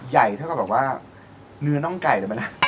ใหญ่เท่ากับเนื้อน้องไก่ด้วย